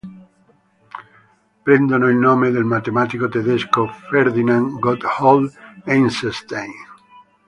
Prendono il nome del matematico tedesco Ferdinand Gotthold Eisenstein.